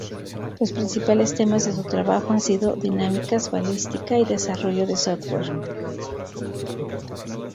Los principales temas de su trabajo han sido dinámicas, balística, y desarrollo de software.